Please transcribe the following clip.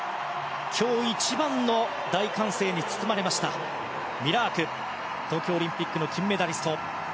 今日一番の大歓声に包まれましたミラーク、東京オリンピックの金メダリスト。